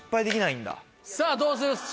さぁどうする？